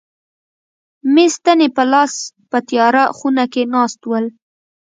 مې ستنې په لاس په تیاره خونه کې ناست ول.